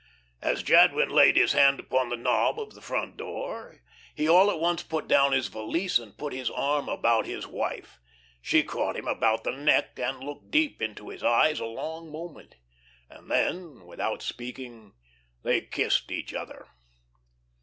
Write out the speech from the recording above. As Jadwin laid his hand upon the knob of the front door, he all at once put down his valise and put his arm about his wife. She caught him about the neck and looked deep into his eyes a long moment. And then, without speaking, they kissed each other.